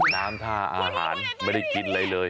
น้ำท่าอาหารไม่ได้กินอะไรเลย